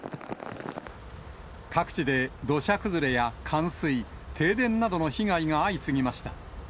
各地で土砂崩れや冠水、停電などの被害が相次ぎました。